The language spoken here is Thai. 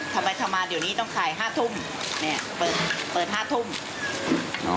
ทำไมทำมาเดี๋ยวนี้ต้องขาย๕ทุ่มเนี่ยเปิด๕ทุ่ม